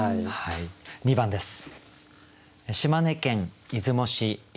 ２番です。